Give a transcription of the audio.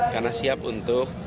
karena siap untuk